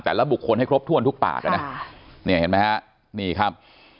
แต่ละบุคคลให้ครบถ้วนทุกปากอ่ะนะเนี่ยเห็นไหมฮะนี่ครับ